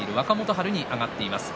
春に上がっています。